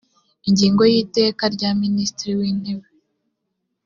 ingingo ya y iteka rya minisitiri w intebe